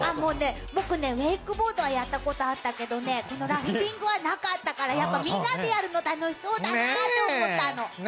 僕、ウエイクボードはやったことがあったけど、ラフティングはなかったから、みんなでやるの楽しそうだなって思ったの。